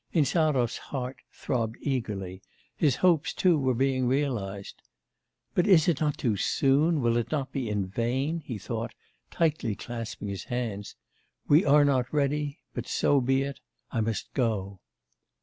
Insarov's heart throbbed eagerly; his hopes too were being realised. 'But is it not too soon, will it not be in vain?' he thought, tightly clasping his hands. 'We are not ready, but so be it! I must go.